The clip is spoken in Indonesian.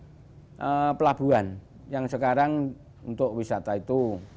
ada pelabuhan yang sekarang untuk wisata itu